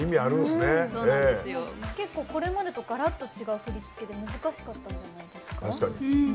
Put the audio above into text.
結構、これまでとがらっと違う振り付けで難しかったんじゃないですか。